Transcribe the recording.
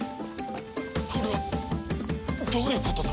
これはどういうことだ？